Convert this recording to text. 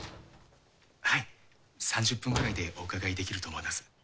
はい３０分くらいでおうかがいできると思います。